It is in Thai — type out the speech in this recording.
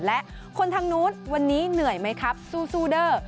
และคนทางนู้นวันนี้เหนื่อยไหมครับสู้เด้อ